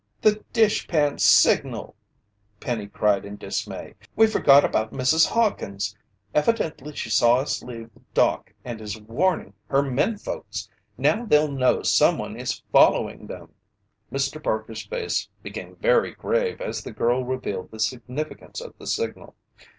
"The dishpan signal!" Penny cried in dismay. "We forgot about Mrs. Hawkins! Evidently she saw us leave the dock and is warning her menfolks! Now they'll know someone is following them!" Mr. Parker's face became very grave as the girl revealed the significance of the signal.